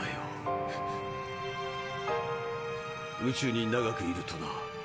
宇宙に長くいるとな